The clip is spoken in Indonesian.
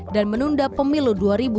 dan menunda pemilu dua ribu dua puluh empat